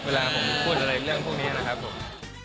เวลาผมพูดอะไรเรื่องพวกนี้นะครับผม